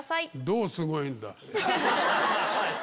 どうすごいんだ？